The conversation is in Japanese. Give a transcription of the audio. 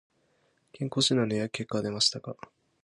健康診断の結果は出ましたか。